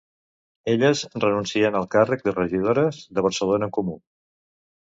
Elles renuncien als càrrecs de regidores de Barcelona en Comú.